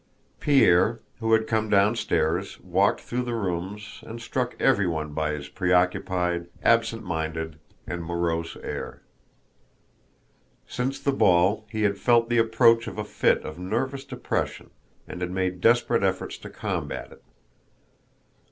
Pierre, who had come downstairs, walked through the rooms and struck everyone by his preoccupied, absent minded, and morose air. Since the ball he had felt the approach of a fit of nervous depression and had made desperate efforts to combat it.